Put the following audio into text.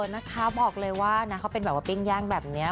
นะคะบอกเลยว่านะเขาเป็นแบบว่าปิ้งย่างแบบนี้